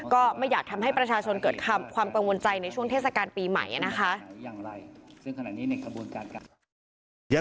ก็ไม่อยากทำให้ประชาชนเกิดความกังวลใจในช่วงเทศกาลปีใหม่นะคะ